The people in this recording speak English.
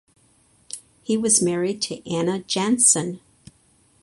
He was married to Anna Jansson.